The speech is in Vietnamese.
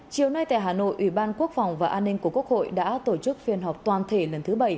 chiều nay tại hà nội ủy ban quốc phòng và an ninh của quốc hội đã tổ chức phiên họp toàn thể lần thứ bảy